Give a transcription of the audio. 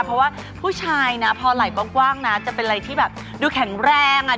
เพราะว่าผู้ชายนะพอไหล่กว้างนะจะเป็นอะไรที่แบบดูแข็งแรงอ่ะ